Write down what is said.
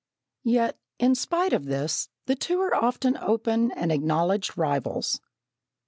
Yet, in spite of this, the two are often open and acknowledged rivals.